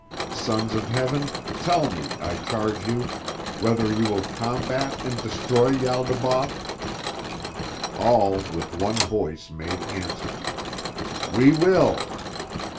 Sons of Heaven, tell me, I charge you, whether you will combat and destroy Ialdabaoth?" All with one voice made answer: "We will!"